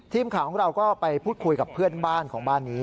ทีมข่าวของเราก็ไปพูดคุยกับเพื่อนบ้านของบ้านนี้